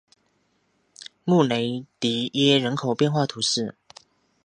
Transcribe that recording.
穆雷迪耶人口变化图示